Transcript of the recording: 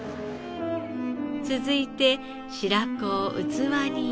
続いて白子を器に入れ